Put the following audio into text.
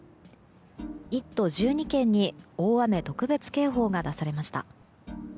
１都１２県に大雨特別警報が出されました。